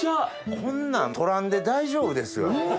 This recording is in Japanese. こんなん取らんで大丈夫ですよ。